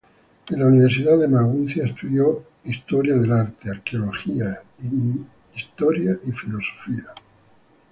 En el Universidad de Maguncia, estudió historia del arte, arqueología, historia y filosofía.